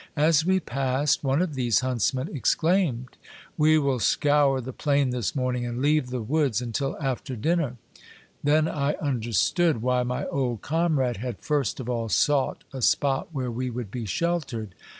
As we passed, one of these huntsmen exclaimed, — Emotions of a Young Red Partridge, 293 " We will scour the plain this morning, and leave the woods until after dinner." Then I understood why my old comrade had first of all sought a spot where we would be shel tered.